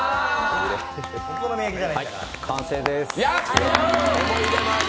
完成です。